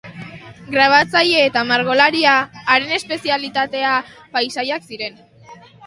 Grabatzaile eta margolaria, haren espezialitatea paisaiak ziren.